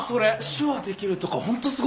手話できるとかホントすごいわ。